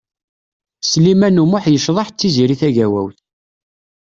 Sliman U Muḥ yecḍeḥ d Tiziri Tagawawt.